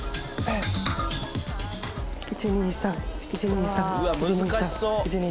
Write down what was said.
１２３１２３１２３１２３。